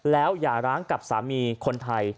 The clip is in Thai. แล้วอย่าร้างกับสามีคนไทย